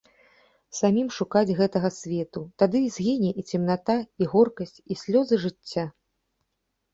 Самім шукаць гэтага свету, тады згіне і цемната, і горкасць, і слёзы жыцця.